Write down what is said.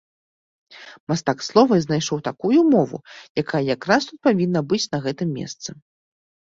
Мастак слова знайшоў такую мову, якая якраз тут павінна быць на гэтым месцы.